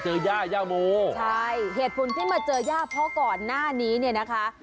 ย่าย่าโมใช่เหตุผลที่มาเจอย่าเพราะก่อนหน้านี้เนี่ยนะคะ